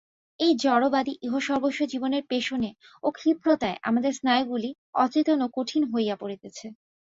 এই জড়বাদী ইহসর্বস্ব জীবনের পেষণে ও ক্ষিপ্রতায় আমাদের স্নায়ুগুলি অচেতন ও কঠিন হইয়া পড়িতেছে।